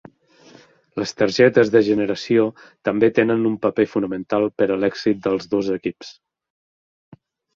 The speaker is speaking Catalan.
Les targetes de generació també tenen un paper fonamental per a l'èxit dels dos equips.